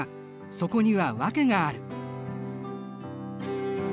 そこには訳がある。